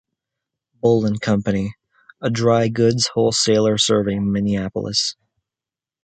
Bull and Company, a dry goods wholesaler serving Minneapolis.